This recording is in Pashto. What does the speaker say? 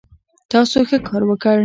تاسو ښه کار وکړ